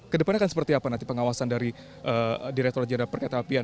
kedepannya akan seperti apa nanti pengawasan dari direkturat jenderal perkereta apian